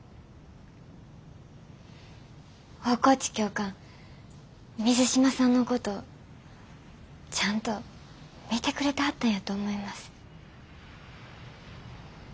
大河内教官水島さんのことちゃんと見てくれてはったんやと思います。